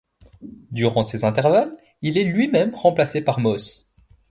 Durant ces intervalles, il est lui-même remplacé par Moss.